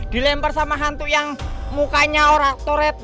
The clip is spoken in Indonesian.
dilempar sama hantu yang mukanya toret